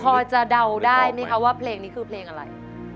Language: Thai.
พอจะเดาได้ไหมคะว่าเพลงนี้คือเพลงอะไร